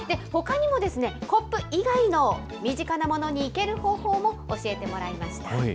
ほかにも、コップ以外の身近なものに生ける方法も教えてもらいました。